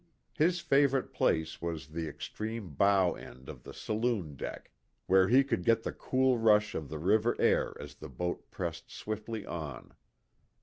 His favorite place was the extreme bow end of the "saloon deck" where he could get the cool rush of the river air as the boat pressed swiftly on.